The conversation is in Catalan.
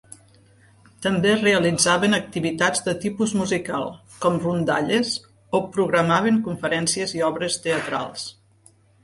També realitzaven activitats de tipus musical, com rondalles, o programaven conferències i obres teatrals.